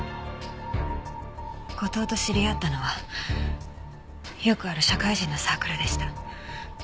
後藤と知り合ったのはよくある社会人のサークルでした。